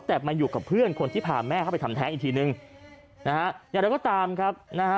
แต่มาอยู่กับเพื่อนคนที่พาแม่เข้าไปทำแท้งอีกทีนึงนะฮะอย่างไรก็ตามครับนะฮะ